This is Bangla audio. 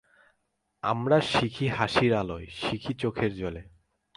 আমরা শিখি হাসির আলোয়, শিখি চোখের জলে।